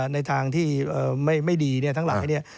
ในทางที่ไม่ดีทั้งหลายเนี่ย